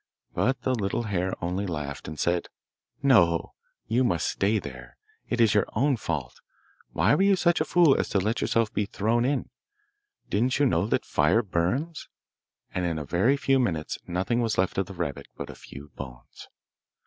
But the little hare only laughed, and said, 'No, you may stay there! It is your own fault. Why were you such a fool as to let yourself be thrown in? Didn't you know that fire burns?' And in a very few minutes nothing was left of the rabbit but a few bones.